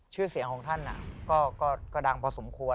ชื่อเสียงของท่านก็ดังพอสมควร